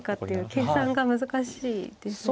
計算が難しいですね。